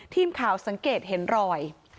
ทีมข่าวสังเกตเห็นรอย